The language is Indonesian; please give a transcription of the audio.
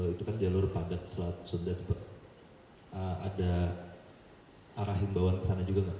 itu kan jalur pandat selat sedat pak ada arah himbauan ke sana juga enggak